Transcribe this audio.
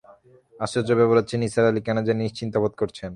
আশ্চর্য ব্যাপার হচ্ছে, নিসার আলি কেন জানি নিশ্চিন্ত বোধ করছেন।